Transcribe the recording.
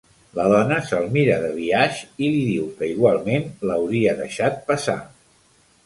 La dona se'l mira de biaix i li diu que igualment l'hauria deixat passar.